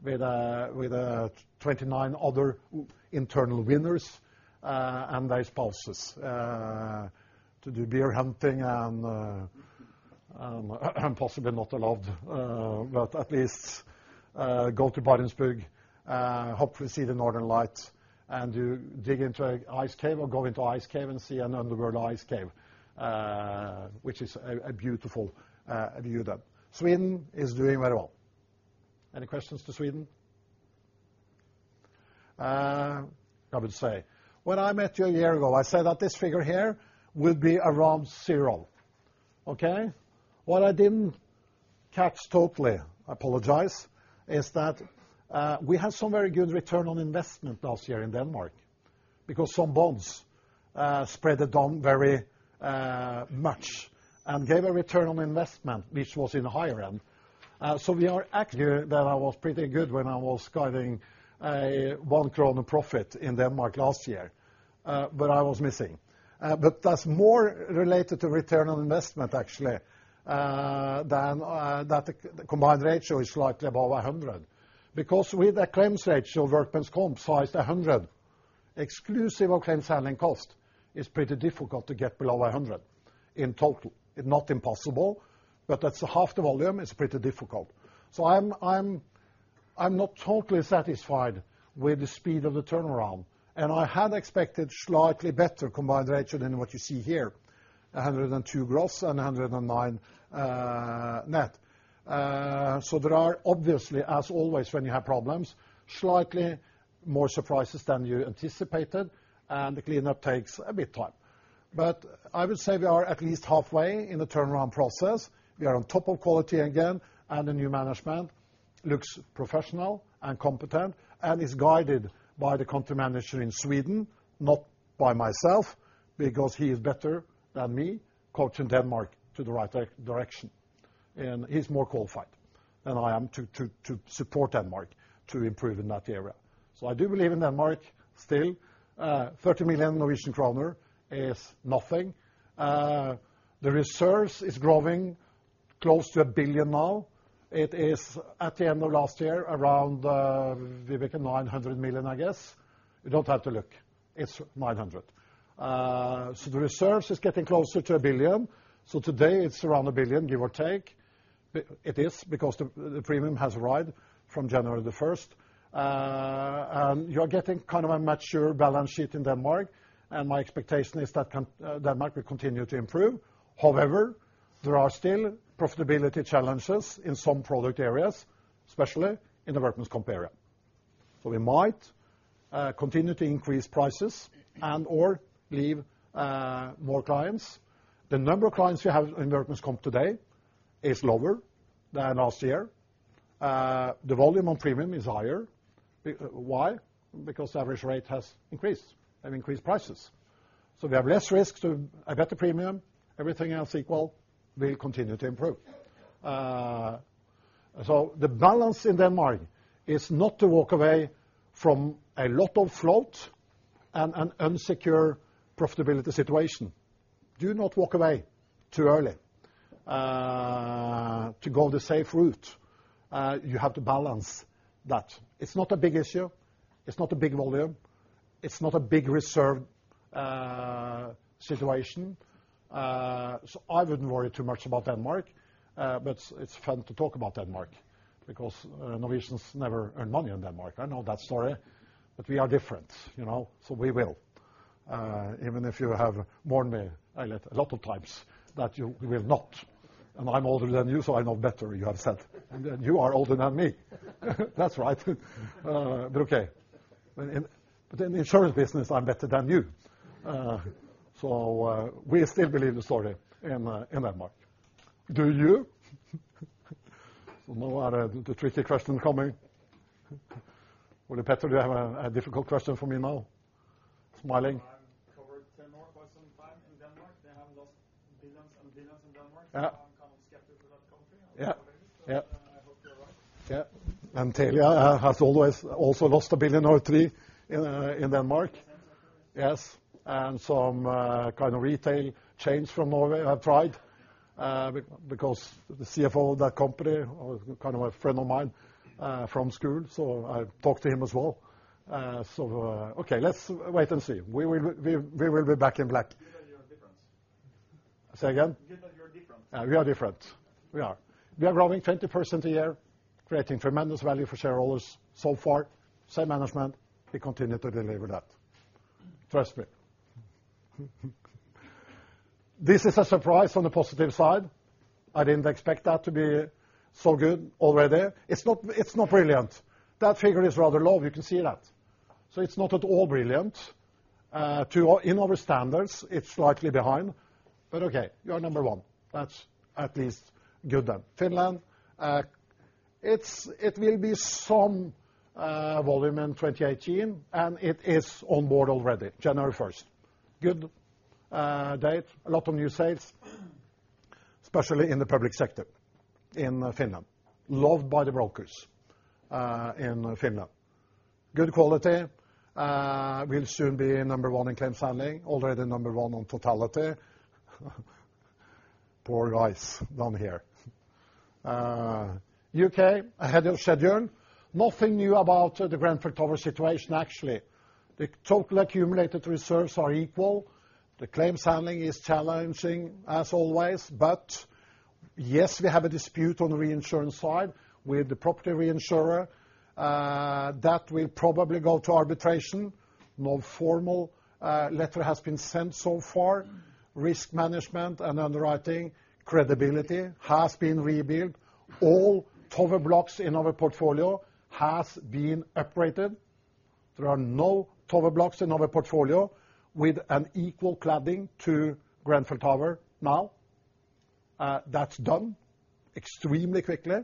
with 29 other internal winners and their spouses, to do bear hunting and possibly not allowed. At least go to Barentsburg, hopefully see the northern lights and do dig into an ice cave or go into an ice cave and see an underworld ice cave, which is a beautiful view there. Sweden is doing very well. Any questions to Sweden? I would say when I met you a year ago, I said that this figure here will be around zero. Okay? What I didn't catch totally, I apologize, is that we had some very good return on investment last year in Denmark because some bonds spread down very much and gave a return on investment, which was in the higher end. We are actually That I was pretty good when I was guiding 1 krone profit in Denmark last year. I was missing. That's more related to return on investment, actually, than that the combined ratio is slightly above 100. Because with the claims ratio workers' comp size 100, exclusive of claims handling cost, it's pretty difficult to get below 100 in total. It is not impossible, but that's half the volume. It's pretty difficult. I'm not totally satisfied with the speed of the turnaround, and I had expected slightly better combined ratio than what you see here, 102 gross and 109 net. There are obviously, as always when you have problems, slightly more surprises than you anticipated, and the cleanup takes a bit time. I would say we are at least halfway in the turnaround process. We are on top of quality again. The new management looks professional and competent and is guided by the country manager in Sweden, not by myself, because he is better than me, coaching Denmark to the right direction. He's more qualified than I am to support Denmark to improve in that area. I do believe in Denmark still. 30 million Norwegian kroner is nothing. The reserves is growing close to 1 billion now. It is at the end of last year around Vibeke 900 million, I guess. You don't have to look. It's 900. The reserves is getting closer to 1 billion. Today it's around 1 billion, give or take. It is because the premium has arrived from January the 1st. You are getting a mature balance sheet in Denmark. My expectation is that Denmark will continue to improve. However, there are still profitability challenges in some product areas. Especially in the workers' comp area. We might continue to increase prices and/or leave more clients. The number of clients we have in workers' comp today is lower than last year. The volume on premium is higher. Why? Because the average rate has increased. I've increased prices. We have less risk to a better premium. Everything else equal, we'll continue to improve. The balance in Denmark is not to walk away from a lot of float and an unsecure profitability situation. Do not walk away too early. To go the safe route, you have to balance that. It's not a big issue. It's not a big volume. It's not a big reserve situation. I wouldn't worry too much about Denmark. It's fun to talk about Denmark because Norwegians never earn money in Denmark. I know that story, but we are different. We will. Even if you have warned me, Eilert, a lot of times that we will not. I'm older than you, I know better, you have said. Then you are older than me. That's right. Okay. In the insurance business, I'm better than you. We still believe the story in Denmark. Do you? Now the tricky question coming. Ole Petter, do you have a difficult question for me now? Smiling. I've covered Denmark for some time. In Denmark, they have lost billions and billions in Denmark. Yeah. I'm kind of skeptical of that country. Yeah. I don't know what it is. Yeah. I hope you're right. Yeah. Telia has always also lost 1 billion or 3 billion in Denmark. In Denmark, yeah. Yes. Some kind of retail chains from Norway have tried. The CFO of that company was kind of a friend of mine from school, I talked to him as well. Okay, let's wait and see. We will be back in black. Good that you are different. Say again. Good that you are different. We are different. We are. We are growing 20% a year, creating tremendous value for shareholders so far. Same management. We continue to deliver that. Trust me. This is a surprise on the positive side. I didn't expect that to be so good already. It's not brilliant. That figure is rather low. You can see that. It's not at all brilliant. In our standards, it's slightly behind, okay. We are number one. That's at least good then. Finland. It will be some volume in 2018. It is on board already, January 1st. Good date. A lot of new sales, especially in the public sector in Finland. Loved by the brokers in Finland. Good quality. We'll soon be number one in claims handling. Already number one on totality. Poor guys down here. U.K., ahead of schedule. Nothing new about the Grenfell Tower situation, actually. The total accumulated reserves are equal. The claims handling is challenging as always. Yes, we have a dispute on the reinsurance side with the property reinsurer. That will probably go to arbitration. No formal letter has been sent so far. Risk management and underwriting credibility has been rebuilt. All tower blocks in our portfolio has been uprated. There are no tower blocks in our portfolio with an equal cladding to Grenfell Tower now. That's done extremely quickly.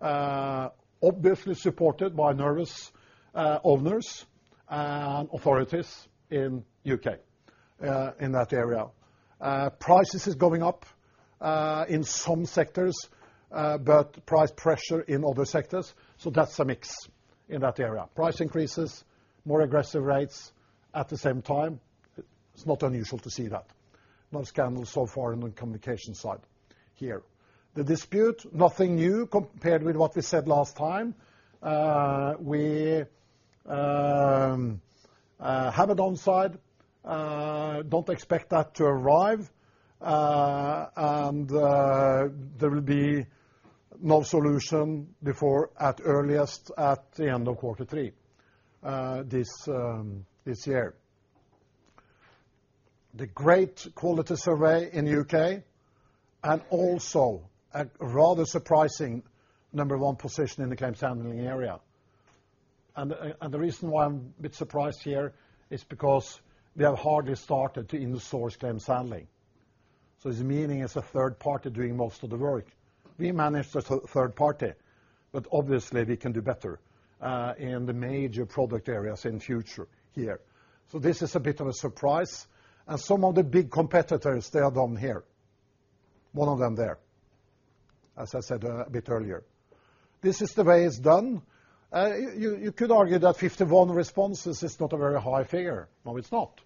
Obviously supported by nervous owners and authorities in U.K., in that area. Prices is going up in some sectors, price pressure in other sectors. That's a mix in that area. Price increases, more aggressive rates at the same time. It's not unusual to see that. No scandals so far in the communication side here. The dispute, nothing new compared with what we said last time. We have it on side. Don't expect that to arrive. There will be no solution before at earliest at the end of quarter three this year. The great quality survey in U.K., and also a rather surprising number one position in the claims handling area. The reason why I'm a bit surprised here is because we have hardly started to in-source claims handling. It's meaning it's a third party doing most of the work. We manage the third party, obviously we can do better in the major product areas in future here. This is a bit of a surprise. Some of the big competitors, they are down here. One of them there, as I said a bit earlier. This is the way it's done. You could argue that 51 responses is not a very high figure. No, it's not.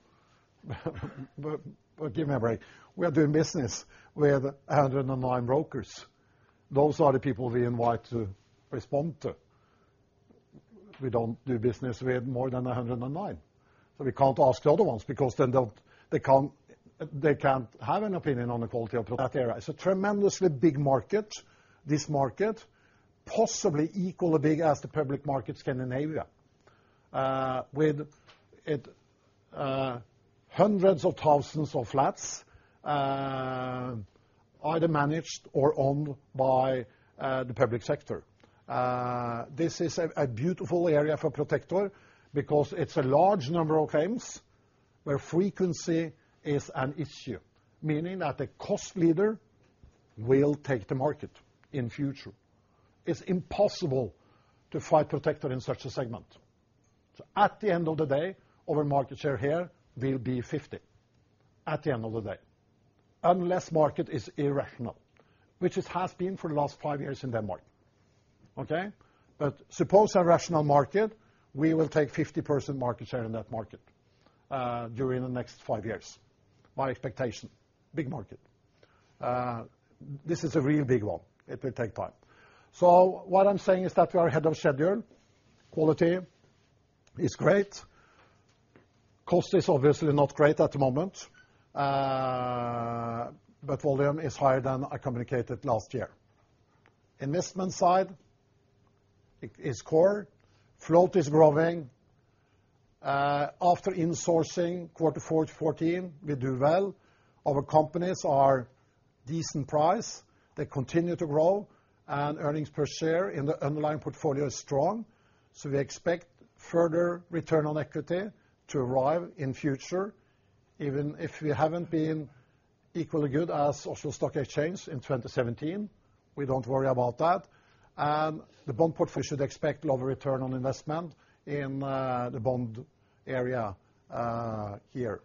Give me a break. We are doing business with 109 brokers. Those are the people we invite to respond to. We don't do business with more than 109. We can't ask the other ones because then they can't have an opinion on the quality of product area. It's a tremendously big market, this market. Possibly equally big as the public market Scandinavia. With it hundreds of thousands of flats, either managed or owned by the public sector. This is a beautiful area for Protector because it's a large number of claims where frequency is an issue, meaning that the cost leader will take the market in future. It's impossible to fight Protector in such a segment. At the end of the day, our market share here will be 50%. At the end of the day. Unless market is irrational, which it has been for the last five years in Denmark. Okay? Suppose a rational market, we will take 50% market share in that market during the next five years. My expectation. Big market. This is a really big one. It will take time. What I'm saying is that we are ahead of schedule, quality is great, cost is obviously not great at the moment, volume is higher than I communicated last year. Investment side, is core. Float is growing. After insourcing Q4 to 14, we do well. Our companies are decent price. They continue to grow, and earnings per share in the underlying portfolio is strong. We expect further return on equity to arrive in future, even if we haven't been equally good as Oslo Stock Exchange in 2017. We don't worry about that. The bond portfolio should expect lower return on investment in the bond area here.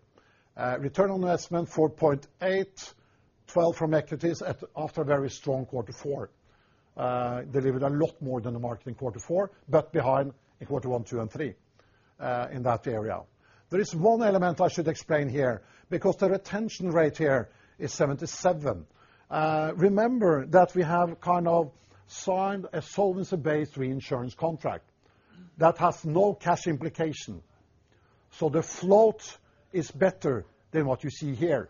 Return on investment 4.8%, 12% from equities after a very strong Q4. Delivered a lot more than the market in Q4, but behind in Q1, Q2, and Q3, in that area. One element I should explain here, because the retention rate here is 77%. Remember that we have kind of signed a solvency base reinsurance contract that has no cash implication. The float is better than what you see here.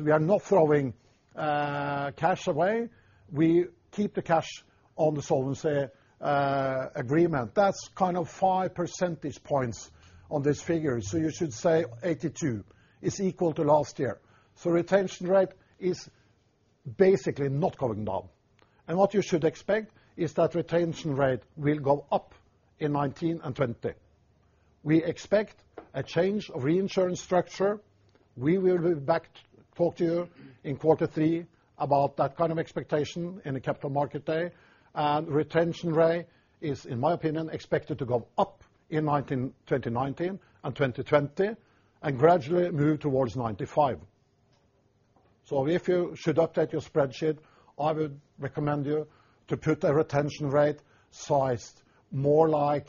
We are not throwing cash away. We keep the cash on the solvency agreement. That's kind of five percentage points on this figure. You should say 82% is equal to last year. Retention rate is basically not going down. What you should expect is that retention rate will go up in 2019 and 2020. We expect a change of reinsurance structure. We will be back talk to you in Q3 about that kind of expectation in a Capital Markets Day. Retention rate is, in my opinion, expected to go up in 2019 and 2020, and gradually move towards 95%. If you should update your spreadsheet, I would recommend you to put a retention rate sized more like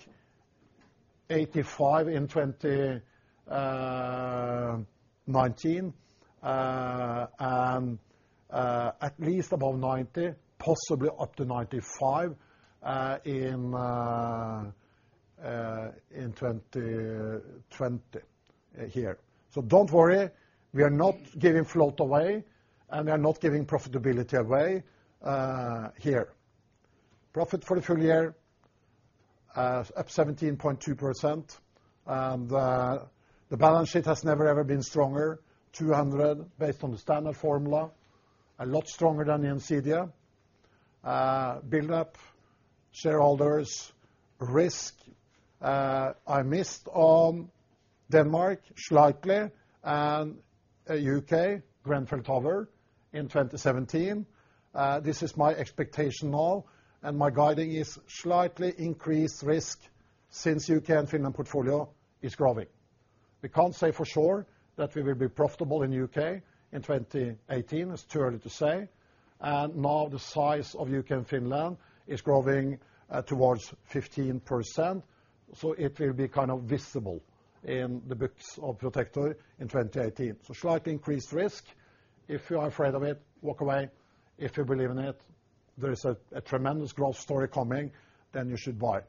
85% in 2019, and at least above 90%, possibly up to 95%, in 2020 here. Don't worry, we are not giving float away and we are not giving profitability away here. Profit for the full year up 17.2%. The balance sheet has never, ever been stronger, 200% based on the standard formula. A lot stronger than [Gjensidige]. Build up shareholders' risk. I missed on Denmark slightly, and U.K., Grenfell Tower in 2017. This is my expectation now and my guiding is slightly increased risk since U.K. and Finland portfolio is growing. We can't say for sure that we will be profitable in U.K. in 2018. It's too early to say. Now the size of U.K. and Finland is growing towards 15%, so it will be kind of visible in the books of Protector in 2018. Slightly increased risk. If you are afraid of it, walk away. If you believe in it, there is a tremendous growth story coming, then you should buy.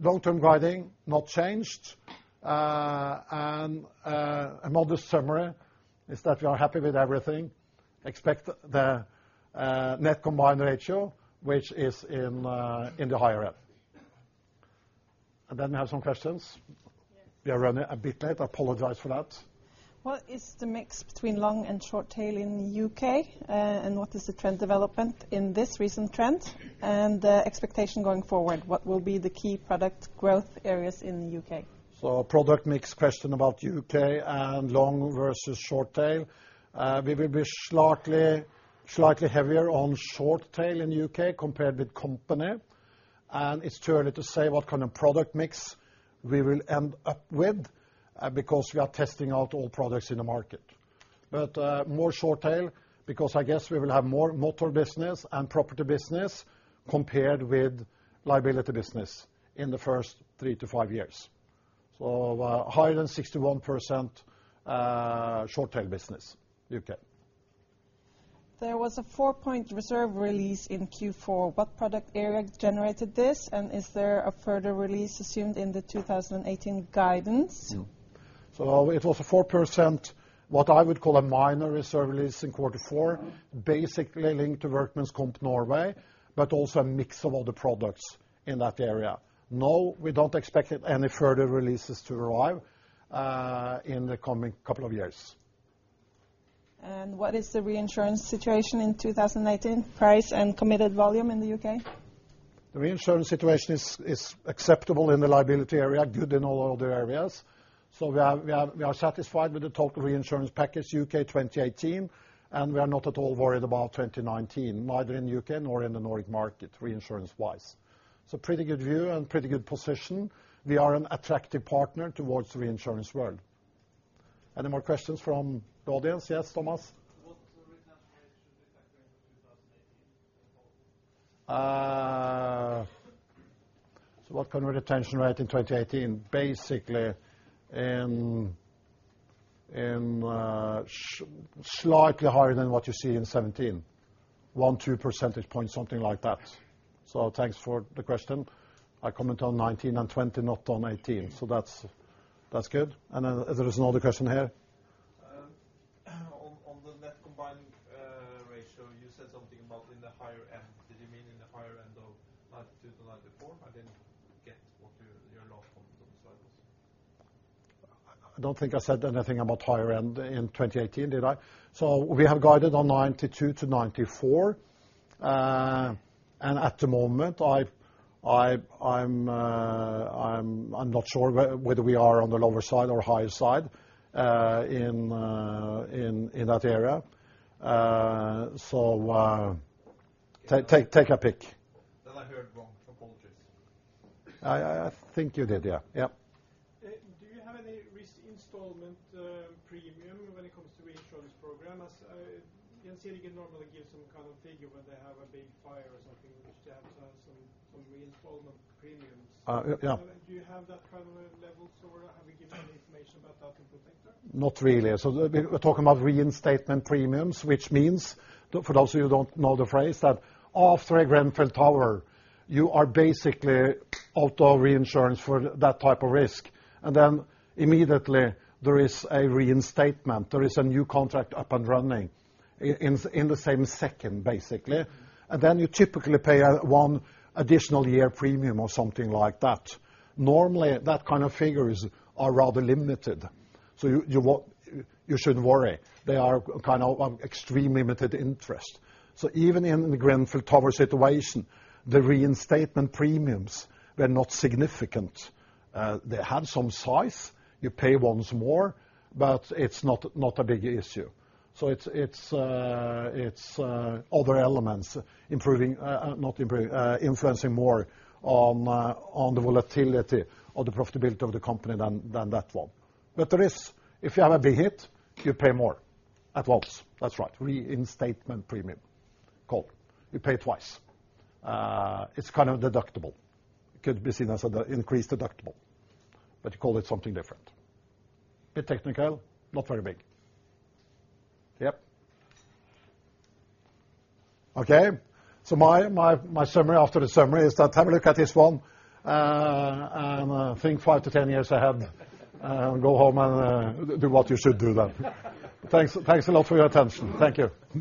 Long-term guiding, not changed. A modest summary is that we are happy with everything. Expect the net combined ratio, which is in the higher end. Then we have some questions. Yes. We are running a bit late. I apologize for that. What is the mix between long and short tail in the U.K., and what is the trend development in this recent trend and the expectation going forward? What will be the key product growth areas in the U.K.? Product mix question about U.K. and long versus short tail. We will be slightly heavier on short tail in the U.K. compared with company. It's too early to say what kind of product mix we will end up with, because we are testing out all products in the market. More short tail because I guess we will have more Motor business and property business compared with liability business in the first three to five years. Higher than 61% short tail business U.K. There was a four point reserve release in Q4. What product area generated this, and is there a further release assumed in the 2018 guidance? It was a 4%, what I would call a minor reserve release in quarter four, basically linked to workers' comp Norway, but also a mix of other products in that area. No, we don't expect any further releases to arrive in the coming couple of years. What is the reinsurance situation in 2018, price and committed volume in the U.K.? The reinsurance situation is acceptable in the liability area, good in all other areas. We are satisfied with the total reinsurance package U.K. 2018, and we are not at all worried about 2019, neither in U.K. nor in the Nordic market, reinsurance wise. Pretty good view and pretty good position. We are an attractive partner towards reinsurance world. Any more questions from the audience? Yes, Thomas. What retention rate should we expect during 2018? What kind of retention rate in 2018? Basically, slightly higher than what you see in 2017. One, two percentage points, something like that. Thanks for the question. I comment on 2019 and 2020, not on 2018. That's good. There is another question here. On the net combined ratio, you said something about in the higher end. Did you mean in the higher end of 92-94? I didn't get what your last comment on the slide was. I don't think I said anything about higher end in 2018, did I? We have guided on 92-94. At the moment, I'm not sure whether we are on the lower side or higher side in that area. Take a pick. I heard wrong. Apologies. I think you did, yeah. Do you have any reinstatement premium when it comes to reinsurance program? As you can see, they can normally give some kind of figure when they have a big fire or something, which they have to have some reinstatement premiums. Yeah. Do you have that kind of levels or have you given any information about that in Protector? Not really. We're talking about reinstatement premiums, which means, for those of you don't know the phrase, that after a Grenfell Tower, you are basically out of reinsurance for that type of risk. Immediately there is a reinstatement. There is a new contract up and running in the same second, basically. Then you typically pay one additional year premium or something like that. Normally, that kind of figures are rather limited, so you shouldn't worry. They are extremely limited interest. Even in the Grenfell Tower situation, the reinstatement premiums were not significant. They had some size. You pay once more, but it's not a big issue. It's other elements influencing more on the volatility of the profitability of the company than that one. There is. If you have a big hit, you pay more at once. That's right. Reinstatement premium. Cool. You pay twice. It's kind of deductible. Could be seen as an increased deductible. You call it something different. Bit technical, not very big. Yep. Okay. My summary after the summary is that have a look at this one, and think 5-10 years ahead. Go home and do what you should do then. Thanks a lot for your attention. Thank you